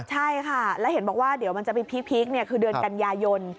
ใช่ค่ะแล้วเห็นบอกว่าเดี๋ยวมันจะไปพีคคือเดือนกันยายน